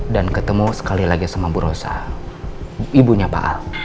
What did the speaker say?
dan ketemu sekali lagi sama bu rosa ibunya pak al